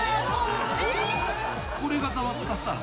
これがざわつかせたの？